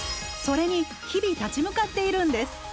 それに日々立ち向かっているんです。